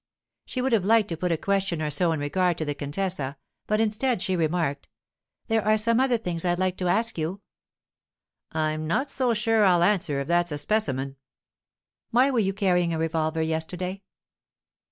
She would have liked to put a question or so in regard to the contessa, but instead she remarked, 'There are some other things I'd like to ask you.' 'I'm not so sure I'll answer if that's a specimen.' 'Why were you carrying a revolver yesterday?